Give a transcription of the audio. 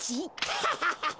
ハハハハ。